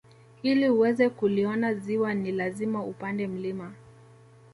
Ili uweze kuliona ziwa ni lazima upande mlima